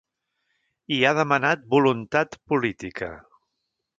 I ha demanat voluntat política.